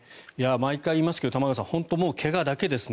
毎回言いますけど玉川さん怪我だけですね。